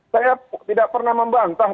saya tidak pernah membantah